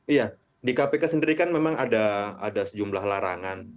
iya di kpk sendiri kan memang ada sejumlah larangan